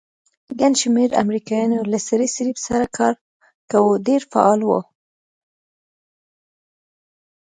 ګڼ شمېر امریکایانو له سرې صلیب سره کار کاوه، ډېر فعال وو.